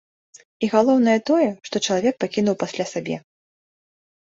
І галоўнае тое, што чалавек пакінуў пасля сябе.